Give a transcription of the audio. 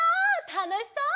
たのしそう！